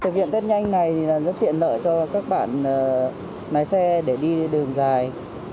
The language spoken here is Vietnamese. thực viện tết nhanh này rất tiện lợi cho các bạn lái xe để đi đường dài